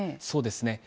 そうですね。